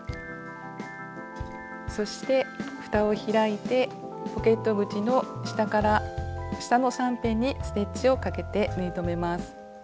そしてふたを開いてポケット口の下の３辺にステッチをかけて縫い留めます。